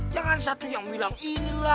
jangan satu yang bilang inilah